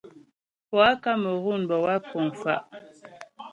Poâ Kamerun bə́ wáp kuŋ fa'.